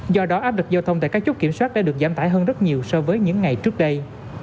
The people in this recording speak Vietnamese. do đó áp lực giao thông tại các chốt kiểm soát đã được giảm tải hơn rất nhiều so với những ngày trước đây